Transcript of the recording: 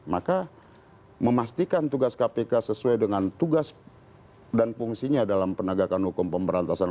maka memastikan tugas kpk sesuai dengan tugas dan fungsinya dalam penegakan hukum pemberantasan